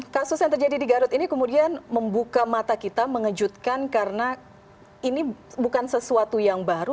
kasus yang terjadi di garut ini kemudian membuka mata kita mengejutkan karena ini bukan sesuatu yang baru